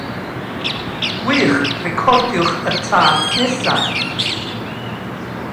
Ond dw i ddim yn aelod o unrhyw grefydd wedi'i drefnu.